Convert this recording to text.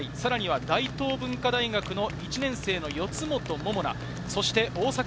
さらには大東文化大の１年生、四元桃奈。